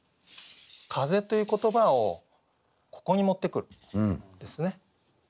「風」という言葉をここに持ってくるんですね。